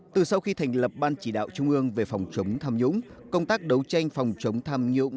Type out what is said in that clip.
từ sau khi thành lập ban chỉ đạo trung ương về phòng chống tham nhũng công tác đấu tranh phòng chống tham nhũng